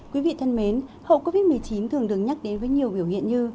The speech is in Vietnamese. quý vị thân mến hậu covid một mươi chín thường được nhắc đến với nhiều biểu hiện như